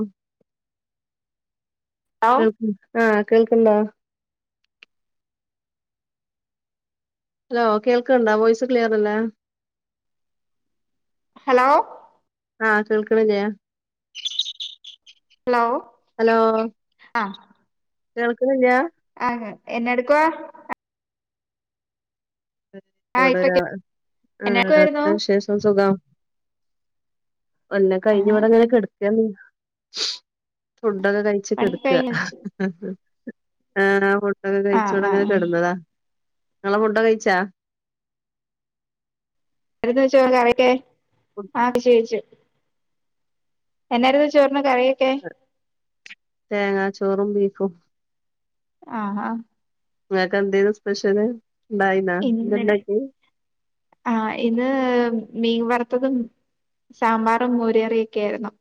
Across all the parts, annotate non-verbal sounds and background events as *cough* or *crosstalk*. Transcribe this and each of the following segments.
ഉ ഹലോ കേൾക് ആഹ് കേൾക്ണ്ടോ ഹലോ കേൾക്കണ്ടാ വോയ്സ് ക്ലിയർ അല്ലേ ലോ ആഹ് കേൾക്കണ് ല്ലേ ഹലോ അ കേൾക്കുന്നില്ലാ ആഹ് എന്നാ എടുക്കുവാ ആഹ് ടെ ഇപ്പൊ ആ കേ എന്നാ എടുക്കുവായിരുന്നു അവിടത്തെ വിശേഷം സുഖം അല്ല ആഹ് കഴിഞ്ഞുവടങ്ങനെനെ കെട്ക്ക ക പണി ണകഴിച്ചെടുക്കുക കഴിഞ്ഞു ആ ആ ഫുഡോക്കെ കഴ്ച് ആഹ് ആഹ് ആഹ് വിടങ്ങനെകിടുന്നതാ ങ്ങൾ ഫുഡ് കഴിച്ച *unintelligible* ന്ന് വെച്ച ആ കയ്ച്ച് കാച്ചു എന്നാർന്ന് ചോറിന് കറിയൊക്കെ തേങ്ങാചോറും ബീഫും ആഹ് ആ ങ്ങക്കെന്തെനു സ്പെഷ്യല് ണ്ടായിനാ ന്താ ണ്ടാക്ക്യേ ആ ഇന്ന് മീൻ വറുത്തതും സാമ്പാറും മോരു കറിയൊക്കെ ആയിരുന്നു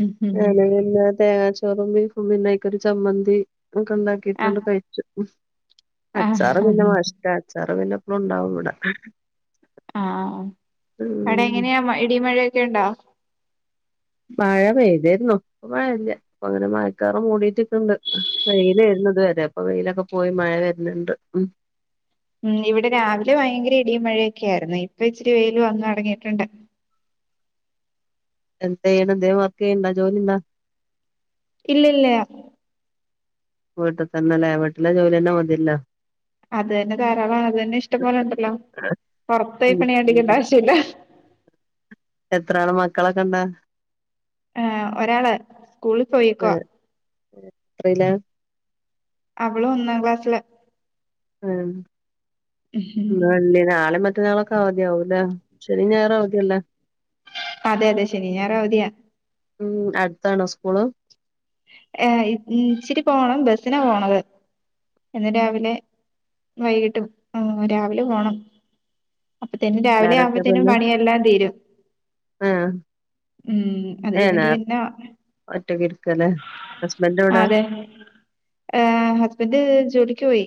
ഉം ഉം മ് ഉം *inaudible* തേങ്ങച്ചോറും ബീഫും പിന്നയ്ക്കൊരു ചമ്മന്തി അതൊക്കെ ആഹ് ണ്ടാക്കിട്ടാണ്ട് കഴിച്ചു അച്ചാർ ആഹ് പിന്നെ മസ്റ്റാ അച്ചാർ പിന്നെ അതെന്നുണ്ടാവും ഇവടെ ആഹ അവിടെ എങ്ങനെയാ ഇടിമഴക്കെ ക്കണ്ടാ മഴ പെയ്തീർന്ന് ഇപ്പോ മഴല്ല ഇപ്പോങ്ങനെ മഴക്കാറ് മൂടീട്ട്ക്ക്ണ്ട് വെയിലേർന്നിത് വരെ ഇപ്പോ വെയിലൊക്കെ പോയി മഴ വരുന്നുണ്ട് ഉ മ്മ് ഇവിടെ രാവിലെ ഭയങ്കര ഇടിയും മഴയൊക്കൊയിരുന്നു ഇപ്പൊ ഇച്ചിരി വെയിൽ വന്ന് അടങ്ങിയിട്ടുണ്ട് എന്തേനു ന്തേലും വർക്കെയ്യുണ്ടോ ജോല്യന്താ ഇല്ല ല്ല്യ വീട്ട്തന്നല്ലേലെ വീട്ടിലെ ജോല്യഞ്ഞ മത്യല്ലോ അതന്നെ ധാരാളാണ് അതന്നെ ഇഷ്ടംപോലെണ്ടല്ലോ പുറ അടിക്കണ്ട ഉം ആവശ്യ ഇില്ല എത്ര ആണ് മക്കളൊക്കെ ഇണ്ട ആ ഒരാള് സ്കൂളിൽ പോയിക്കുവാ എത്രേലാ അവളൊന്നാ ക്ലാസിൽ ആ നാളെ *unintelligible* *inaudible* ആതി ആവും അല്ലെ ശനീശ ഞായറും അവധി അല്ലെ അതെ അതെ ശനി ഞായർ അവധിയാ ഉം അടുത്താണോ സ്കൂള് ഏ ഇച്ചിരി പോണം ബസിനാ പോണത് എന്നന്ന് രാവിലെ വൈകിട്ടും ആ രാവിലെ പോണം അപ്പത്തേനും രാവിലെ പിള്ളാരൊക്കെ ആവുമ്പത്തേനും പിന്നെ പണിയെല്ലാം തീരും ആഹ് ഉം അത് ഏഹ് കഴിഞ്ഞിട്ട് നേർ പിന്നെ ഒറ്റക്ക് ഇരിക്കല്ലേ ഹസ്ബൻഡ് ആ എവിടെ അതെ ഹസ്ബൻഡ് ജോലി ക്ക് പോയി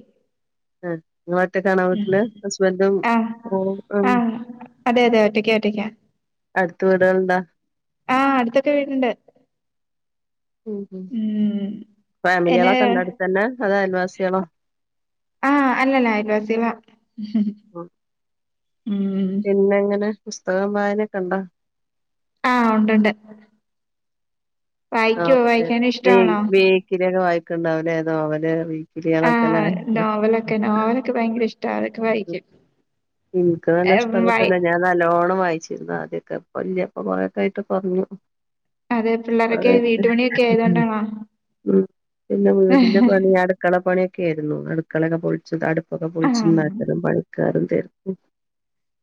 ആ ആഹ് ആഹ് അതെ അതെ ഒറ്റക്ക ഒറ്റക്ക അടുത്ത വീടുകൾ ഉണ്ടോ ആഹ അടുത്തൊക്കെ വീടുണ്ട് ഉം ഉം എന്നെ ഫാമിലികളൊക്കെ ഉണ്ടോ അടുത്ത് തന്നെ അതോ അയൽവാസി *inaudible* ആഹ് അല്ലല്ല അയൽവാസികളാ ഉം പിന്നെങ്ങനെ പുസ്തകം വായനൊക്കെ ഒണ്ടാ ആഹ് ഉണ്ടുണ്ട് ആ വായിക്കുവോ അതെ വായിക്കാനും ഇഷ്ടമാണോ വീക്കിലി ഒക്കെ വായിക്കും ഉണ്ടാവില്ല ഏതോ അവനെ അറി ഇതേ കണക്കല്ലെ ആഹ് നോവലൊക്കെ നോവലൊക്കെ ഭയങ്കര ഇഷ്ടാ അതൊക്കെ വായിക്കും എനിക്ക് ഏ, നല്ല ഇഷ്ടം ഉള്ളപ്പോ വായി എല്ലാം ഞാൻ നല്ലോണ്ണം വായിച്ചു ആദ്യക്കെ *inaudible* കൊറൊക്കെ ആയിട്ട് കു റഞ്ഞു അതെ പിള്ളേരൊക്കെ വീട്ടുപണിയൊക്കെ *unintelligible* ആയതുകൊണ്ടാണോ ഉം പിന്നെ വീടിന്റെ പണി അടുക്കള പണി ഒക്കെയായിരുന്നു അടുക്കളൊക്കെ പൊളിച്ചത് അടു പ്പൊക്കെ ആഹ് പൊളിച്ചുണ്ടാക്കലും പണിക്കാരും *unintelligible*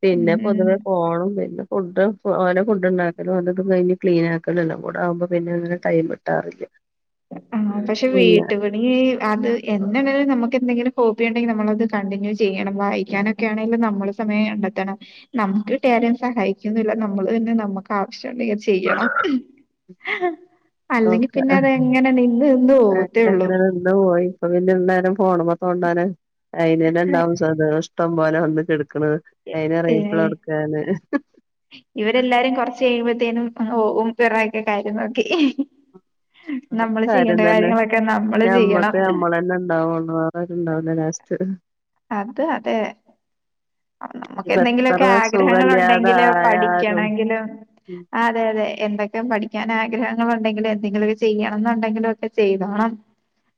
പിന്നെ ഉം പൊതുവെ പോണം പിന്നെ ഫുഡ് ഓരോ ഫുഡ് ഉണ്ടാകലും അതൊക്ക കഴിഞ്ഞ് ക്ലീൻ ആക്കലും കൂടെ ആകുമ്പോ പിന്നെ ഒന്നിനും ടൈം കിട്ടാറില്ല ആഹ് പക്ഷെ പിന്നെ വീട്ടുപണി അത് എന്നെങ്കിലും നമുക്ക് എന്തെങ്കിലും കോപ്പി ഉണ്ടെങ്കിൽ നമ്മളത് കണ്ടിന്യൂ ചെയ്യണം വായിക്കാനൊ ഒക്കെ ആണെങ്കിലും നമ്മള് സമയം കണ്ടെത്തണം നമ്മുക്ക് കിട്ടിയ ആരും സഹായിക്കുന്നില്ല നമ്മള് തന്നെ നമുക്ക് ആവശ്യമുണ്ടെങ്കിൽ ചെയ്യണം അല്ലെങ്കിൽ പിന്നെ അതെ അങ്ങനങ്ങനെ നിന്ന് പോയി ഇപ്പൊ പിന്നെ എന്തൊയാലും ഫോണുമേ തോണ്ടാന് അതിനെ രണ്ടാമതും *unintelligible* പോലെ വന്നു കെട ക്കാണ് അയ്ന് റിപ്ലൈ കൊടുക്കാന് ഇവരെല്ലാരും കൊറച്ച് കഴിയുമ്പ - ത്തെനും പിറകെ കയറി നോക്കി ആ നമ്മള് കാര്യം ചെയ്യേണ്ട തന്നെ കാര്യങ്ങളൊക്കെ നമ്മള് ചെയ്യണം ഞമ്മക്ക് നമ്മള് തന്നെ ഉണ്ടാവൊള്ളൂ വേറാരും ണ്ടാവൂല ലാസ്റ്റ് *unintelligible* അത് അതെ നമ്മക്ക് ഇപ്പ എത്ര എന്തെങ്കിലൊക്കെ ആഗ്രഹങ്ങള് സുഖല്യാതെ ഉണ്ടെങ്കിലൊ ആയാലും പഠിക്കണങ്കിലൊ ഉം അതെ അതെ എന്തൊക്കെ പഠിക്കാൻ ആഗ്രഹങ്ങളുണ്ടെങ്കിലും എന്തെങ്കിലുമൊക്കെ ചെയ്യണന്നു ണ്ടെങ്കിലും ഒക്കെ ചെയ്തോണം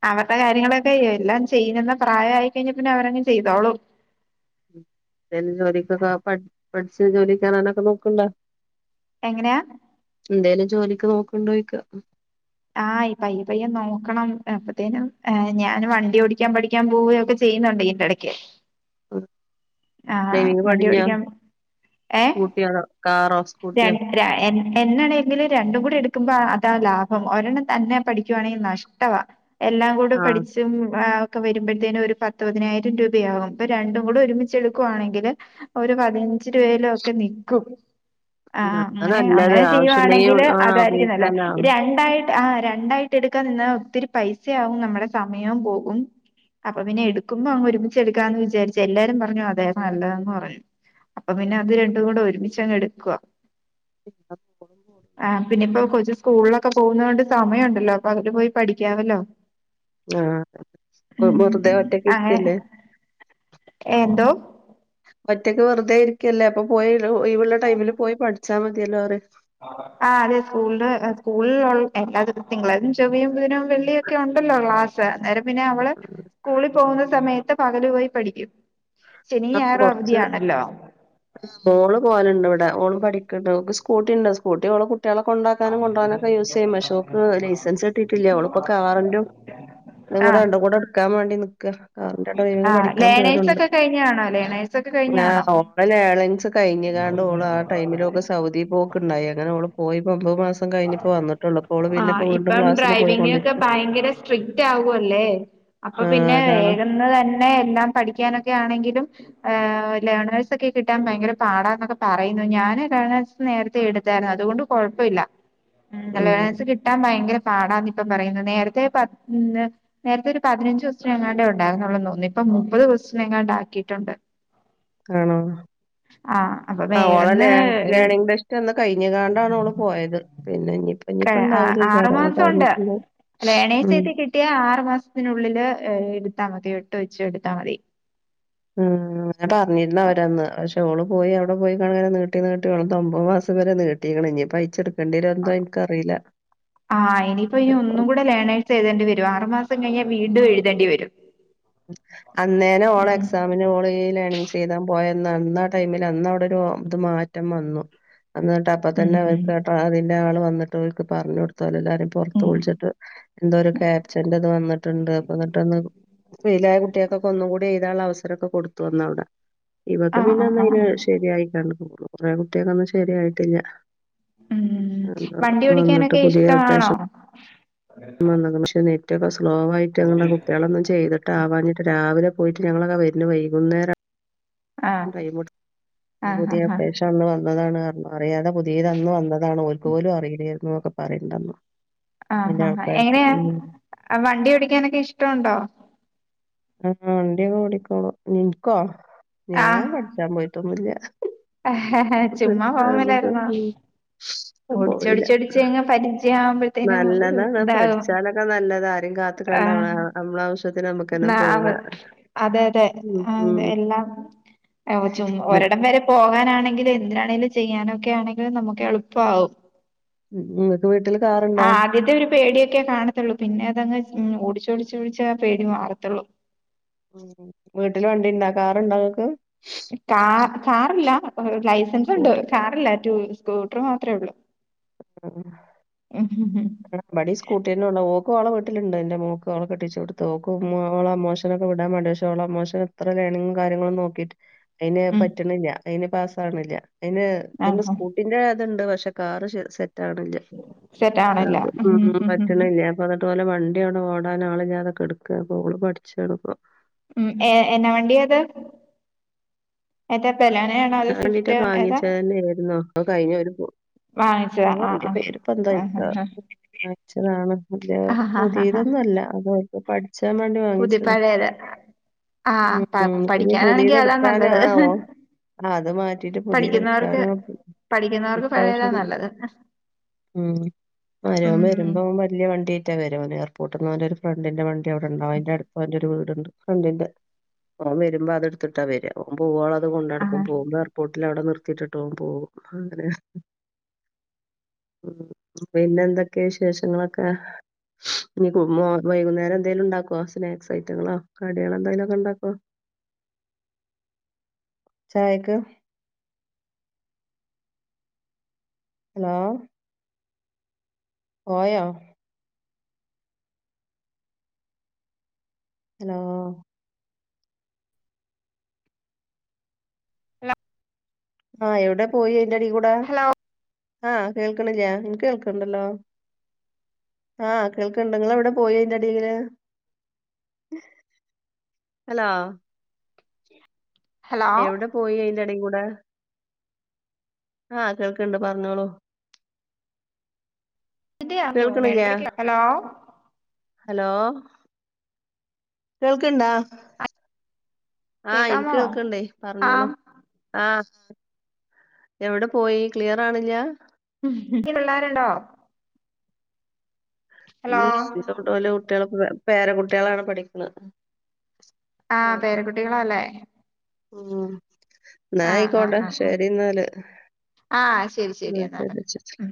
അവരുടെ കാര്യങ്ങളൊക്കെ എല്ലാം ചെയ്യുന്നെ പ്രായായിക്കഴിഞ്ഞ പിന്നെ അവരെ ചെയ്‌തോളും ഏത് ജോലിക്കൊക്ക പട് പഠിച്ച് ജോലികേറാനൊക്കെ നോക്ക്ണ്ടാ എങ്ങനെയാ ന്തേലും ജോലിക്ക് നോ കുണ്ടോയ്ക്ക ആഹ് ഇപയ്യെപയ്യെ നോക്കണം. എപ്പത്തേനും ഞാന് വണ്ടി ഓടിക്കാൻ പഠിക്കാൻ പോവേഒക്കെ ചെയ്യുന്നുണ്ട് ഇന്റെ ഇടക്ക്. ഉം ഡ്രൈവിങ് പടിഞാ? ഓടിക്കാൻ സ്കൂട്ടിയാണോ കാറോ? സ്കൂട്ടിയോ രൺ രാ എൻ എന്നാണേങ്കിലും രണ്ടും കൂടി എടുക് വാഹ് അതാ ലാഭം. ഒരെണ്ണം തന്നെ പഠിക്കുവാണെങ്കി നഷ്ടവാ. എല്ലാം കൂടെ ആഹ് പഠിച്ചും ആഹ് ക വരുമ്പയ്ത്തേനു ഒരു പത്ത് പതിനായിരം രൂപയാകും. ഇപ്പ രണ്ടും കൂടെ ഒരുമിച്ചെടുക്കുവാണെങ്കില് ഒരു പതിനഞ്ചുരൂപയില് ഒക്കെനിക്കും. ആഹ് അത് അങ്ങനെ നല്ലത് അങ്ങനെ ആവശ്യണ്ടെങ്കി ചെയ്യുവാണെങ്കില് ആഹ് അതായിരിക്കുംനല്ലേ. ഉപയോഗിക്കാലോ രണ്ടായി ആഹ് രണ്ടായിട്ട് എടുക്കാൻ നിന്നാ ഒത്തിരി പൈസയാവും. നമ്മുടെ സമയവും പോകും. അപ്പൊ പിന്നെ എടുക്കുമ്പോ അങ്ങ് ഒരുമിച്ച്‌ എടുക്കാന്ന് വിചാരിച്ച എല്ലാരും പറഞ്ഞു അതേ നല്ലതെന്ന്പറഞ്ഞു. അപ്പൊ പിന്നെ അത് രണ്ടും കൂടെ ഒരുമിച്ചങ്ങ് എടു ക്കൊആ അഹ് പിന്നെപ്പോ കൊച്ച് സ്‌കൂൾളൊകെ പോഉന്നോണ്ട് സമയമുണ്ടല്ലോ. അപ്പൊ അ *unintelligible* പോയി പഠിക്കാമല്ലോ. അഹ് ആഹ് പ്പം വെറുതെ അങ്ങനെ ഒറ്റക്കിരിക്കല്ലേ എന്തോ ഒറ്റക്ക് വെറുതെ ഇരിക്കല്ലേ അപ്പൊ പോയെ ഹെ ഒഴിവുള്ള ടൈമില് പോയി പഠിച് അത് മതി അല്ലോ പറയും ആഹ് അതെ സ്കൂള സ്കൂളിൽ എല്ലാ ദിവ തിങ്കളാഴ്‌ച്ചിം ചൊവ്വി ബുധനും വെള്ളിയൊക്കെ ഉണ്ടല്ലോ ക്ലാസ് അന്നേരം പിന്നെ അവള് സ്കൂളിൽ പോകുന്ന സമയത്ത് പകല് പോയി പഠിക്കും ശനി ആഹ് ഞായറും കൊറച്ച് അവധിയാണല്ലോ ആഹ് മോള് പോവല്ണ്ട് വടെ മോള് പഠിക്ക് ണ്ട് ഓക്ക് സ് കൂട്ടിണ്ട് സ്കൂട്ടിഓളെ കു ട്ട്യാളെ കൊണ്ടാക്കാനും കോണ്ട്രാനൊക്കെ ഒക്കെ യൂസ് ചെയ്യും. പഷോക്ക് ലൈസൻസ് കിട്ടീട്ടില്ല. ഓള്പ്പോ കാർന്റതും ഇതും ആ കൂടെ രണ്ടും കൂടെ ട് ക്കാൻ വേണ്ടി ന്ക്കാ കാറിന്റെ ഡ്രൈവിംഗ് ആഹ് പഠിക്കാൻ പോണ് ലേണേഴ്സ് ണ്ട്. ഒക്കെ കഴിഞ്ഞാണോ ലേണേഴ്സ് ഒക്കെ കഴിഞ്ഞാണോ ആഹ് ഓളെ ലേണേയ്സ് കഴിഞ്ഞങ്ങാണ്ട് ഓള് ആ ടൈമിലോക്ക് സൗദി പോക്ക്ണ്ടായി അങ്ങനെ ഓള് പോയി പ്പൊമ്പത് മാസം കഴിഞ്ഞിപ്പോ വന്നിട്ടുള്ളൂ അപ്പോ ഓള് പിന്നെപ്പോ ആഹ് വീണ്ടും ഇപ്പ ക്ലാസ്സിന് ഡ്രൈവിങ്ങൊക്കെ പോയിക്കൊണ്ടിരിക്ക ഭയങ്കര സ്ട്രിക്റ്റ് ആവുല്ലേ അപ്പ ആഹ് പിന്നെ അതാണ് വേഗന്ന് തന്നെ എല്ലാം പഠിക്കാ ക്കെ ആണെങ്കിലും ലേണേഴ്സ് ഒക്കെ കിട്ടാൻ ഭയങ്കര പാടാ എന്നൊക്കെ പറയുന്നു. ഞാന് ലേണേഴ്സ് നേരത്തെ എടുത്താര്ന്നു അതുകൊണ്ട് കുഴപ്പയില്ല. മ് ഉം ലെണേഴ്സ് കിട്ടാ ഭയങ്കര പാടാന്ന് ഇപ്പം പറയുന്നു. നേരത്തെ നേരത്തെ ഒരു പതിനഞ്ച് ദിവസത്തിനെങ്ങാണ്ടേ ഉണ്ടായിന്നുള്ളത് തോന്നുന്നു ഇപ്പ മുപ്പത് ദിവസത്തിനെങ്ങാണ്ടാക്കിയിട്ടുണ്ട്. അപ്പൊ ആഹ് ഓളെ വേഗന്ന് ലേൻ ലേണിങ്ങ് ടെസ്റ്റന്ന് കഴിഞ്ങ്ങാണ്ടാണ് ഓള് പോയത്. പിന്നെ ഇപ് ഏ ആഹ് ആറു മാസോണ്ട്. ലേണിങ്ങ് ഉം ടെസ്റ്റ് കിട്ട്യാ ആറ് മാസത്തിനുള്ളിൽ ഏ എട്ത്താ മതി. എട്ട് വെച്ച് എട്ത്താ മതി. മ് ഞനെ പറഞ്ഞീര്ന്നവരന്ന് പഷെ *unintelligible* പോയി അവടെ പോയിക്കാണ്ട് ങ്ങനെ നീട്ടി നീട്ടി ഓളത് ഒമ്പത് മാസം വരെ നട്ടീക്ക്ണ് ഞ്ഞി പ്പയ്ചേക്കന്ന് ആഹ് ഇനിപ്പോ നി അപ്പൊ ഒന്നുകൂടെ ലേണഴ്സ് എയ്തേണ്ടിയേരും. ആറ്മാസം കഴിഞ്ഞാ വീണ്ടും എഴുതേണ്ടി വെരും. അന്നേനെ ഓളെ എക്സാമിന് ഓളെ ലെണിങ്ങ്സ് എയ്താം പോയത്. അന്നാ ടൈമിൽ അന്നവടടൊരു ത് മാറ്റം വന്നു. ന്നിട്ട് അപ്പ ഉം തന്നെ ഉം അവര്ക്കാ ട്രാ ഒരാള് വന്ന്ട്ട് ഓൾക്ക് പറഞ്ഞു കൊട്ത്ത് ഓ പൊറത്ത് ഉം വിളിച്ചിട്ട് എന്തോര് ക്യാപ്ച്ചേന്റത് വന്നിട്ട്ണ്ട് അപ്പന്നിട്ടന്ന് ഫെയ്ലായ കുട്ട്യാക്കൊക്കെ ഒന്നും കൂടി എയ്താള്ള അവസരൊക്കെ കൊട്ത്തു അന്നവടെ. ഇവക്ക് ആ ആ ആ പിന്നന്നയ്ല് ശെര്യായി കണ്ടുക്ക്ണു. കുറേ കുട്ട്യാക്കന്ന് ശെര്യായ്ട്ടില്ല മ് വണ്ടി ഓടിക്കാനൊക്കെ ഇഷ്ട്ടവാണോ? *unintelligible* ക്ക സ് സ്ലോവായിറ്റ് അ *unintelligible* കുട്ട്യാളൊന്നും ചെയ്തിട്ട് ആവാഞ്ഞിട്ട് രാവിലെ പ് പോയിറ്റ് ഞങ്ങളൊക്കെ വര്ണെ വൈകുന്നേരാ. ആ ആ ടൈമ്ട്ക്കും ഹ പുതിയ ഹ അപ്ടേഷഅന്ന് വന്നതാണ് പറഞ്ഞു. മ അറിയാതെ പോ ചെയ്തന്ന് വന്നതാണ് ഓൽക്ക് പോലും അറീലേയ് ന്നു നൊക്കെ പറീണ്ണ്ണ്ടന്ന്. ആഹ ആ ആ എങ്ങനെയാ വണ്ടി ഓടിക്കാനൊക്കെ ഇഷ്ടാണ്ടോ ആ വണ്ടിയൊക്കെ ഓടിക്കോണ നിനിക്കോ ഞാൻ പഠിച്ചാൻ പോയിട്ടൊന്നുമില്ല ആഹ് ഹേ ചുമ്മ പോവമേലായിരുന്ന അങ്ങനത്തൊന്നും ഞാൻ ഓടിച്ച് പോയില്ല. ഓടിച്ച് ഓടിച്ച് പരിചയാ നല്ലതാണ് പഠിച്ചാലൊക്കെ നല്ലത ആരും കാത്തിക്കേണ്ട നമ്മള നമ്മളാവശ്യത്തിന് ന അതെ അതെ ഉം. ഉം. എല്ലാം ചുവ ഒരിടം വരെ പോകാനാണെങ്കിലും എന്തിനാണെങ്കിലും ചെയ്യാനോ ക്കെ ആണെങ്കിലിൽ നമുക്ക് എളുപ്പാവും നിങ്ങക്ക് വീട്ടില് ആ കാറുണ്ടോ? ആദ്യത്തെ ഒരു പേടിയൊക്കെ കാണത്തുള്ളൂ പിന്നെ അതങ്ങ് ഉം ഓടിച്ച് ഓടിച്ച് ഓടിച്ച പേടി മാറത്തുള്ളൂ ഉം വീട്ടില് വണ്ടി ഇണ്ടാ കാറുണ്ടങ്ങക്ക് കാ കാറില്ല ലൈസൻസ് ഒണ്ട് സ്കൂട്ടി. കാറില്ല റ്റു സ്കൂട്ടർ മാത്രമേ ഉള്ളൂ ഉം ബടി സ്കൂട്ടള്ളോ ക്കോള വീട്ടിലുണ്ട് എന്റെ മോൾക്ക്ക്കെട്ടിച്ചു കൊടുത്ത ഓക്ക് മോള മോശൊക്കെടാൻേണ്ട പക്ഷേ ഓള മോശ എത്രണും കാര്യങ്ങളും നോക്കിട്ട് അയിന് ഉം പറ്റണില്ല അയിന് പാസ്സ് ആവ്ണില്ല അതിന് നിന്റെ ആഹ് സ്കൂട്ടിന്റെ അതുണ്ട് പ ക്ഷ കാറ് പറ്റണില്ല അപ്പ ഉം പറ്റണില്ല അപ്പ അത് പോലെ വണ്ടി അവിടെ ഓടാന് ആളില്ലതെ കെടക്കുക അപ്പ ഓള് പഠിച്ചു എടുക്ക ഉം എ എന്നാ വണ്ടി അത് ഏ ൻ വേണ്ടീട്ട് വാങ്ങിച്ച തന്നെ ആയിരുന്നോ കയിഞ്ഞ വാങ്ങിച്ചതാ വണ്ടിയ ആഹ് പേരിപ്പോ എന്താ ആഹ് ആഹ് ആഹ് വാങ്ങിച്ചതാണ് പുതിയതൊന്നും അല്ല അത് *unintelligible* വാങ്ങിച്ചതാ. പുതിപ്പഴയത് ആഹ ഉം പ പിന്നെ പുതിയത് പഠിക്കാനാണെങ്കിൽ അതാ എടുക്കാനും നല്ലത് ആ ഓ ആ അത് മാറ്റിട്ട് പുതിയ എടുക്കാ പഠിക്കുന്നവർക്ക് നോന്തോ പഠിക്കുന്നവർക്ക് പഴയതാ ഇപ്രവശ്യം നല്ലത് മരമേൻ ഉം വരുമ്പോ ഉം വലിയ വണ്ടി *unintelligible* എയർപോട്ടീന്ന് ഒരു ഫ്രണ്ടിന്റെ വണ്ടി *unintelligible* ഉണ്ടാവും അതിന്റെ *unintelligible* ഒണ്ട് ഒണ്ട് ഫ്രണ്ട്ണ്ടിന്റെ ഓ വരുമ്പോ അത എടുത്തിട്ടാ വര ഓ പോവളെ അത് ആ കൊണ്ടടുക്ക ഓൻ പോകുമ്പോ എയർപോർട്ടിൽ അവിടെ നിർത്തിട്ടിട്ട് പോകൻ പോകും അങ്ങനെ ഉ പിന്നെ എന്തൊക്കെയ വിശേഷങ്ങളൊക്കെ ഇനി വൈകുന്നേരം എന്തായാലും ഉണ്ടാക്കോ സ്നാക്സ് ഐറ്റങ്ങളോ കടികളോ എന്തായാലും ഒക്കെ ഉണ്ടാക്കോ ചായക്ക് ഹലോ പോയോ ഹലോ ആ എവിടെ പോയി ഇതിന്റെടേകൂടേ ഹലോ ആ കേക്ക്ണില്ലെ ഇന്ക് കേക്ക്ണ്ടല്ലോ ആ കേൾക്ക്ണ്ട് ഇങ്ങളെവിടെ പോയി ഇതിന്റെടേക്കൂടെ ഹലോ ഹലോ എവിടെ പോയി അയ്‌ന്റെടെകൂടെ ആ കേൾക്ക്ണ്ട് പറഞ്ഞോളൂ ഇതീ ആപ്പ് പോണ് കേൾക്കണില്ല എടക്കെടക് ഹലോ ഹലോ കേൾക്ക്ണ്ടാ ആഹ് ഇൻക്ക് കേക്കാമോ കേൾക്ക്ണ്ടേ ആ പറഞ്ഞോളൂ ആ ആ എവിടെ പോയി ക്ലിയറാവ്ണില്ല പിള്ളേരുണ്ടോ ഹലോ ഇല്ലല്ല *unintelligible* കുട്ടികളക്ക പേര കുട്ട്യേളാണ് പഠിക്കണെ ആ പേരകുട്ടികളാലെ മ് ന്നാ ആയിക്കോട്ടെ ആ ആ ശരി ന്നാല് ആ ശരി ശരി എന്നാല് ഉം